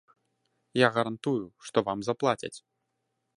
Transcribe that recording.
Я гарантую, што вам заплацяць.